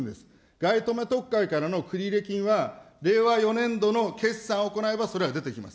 外為特会からの繰入金は、令和４年度の決算を行えばそれは出てきます。